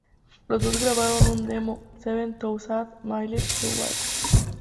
Los dos grabaron un demo "Seven Thousand Miles for What?